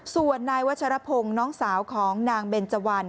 ส่วนนายวัชรพงศ์น้องสาวของนางเบนเจวัน